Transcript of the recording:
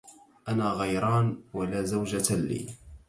أنا غيران ولا زوجة لي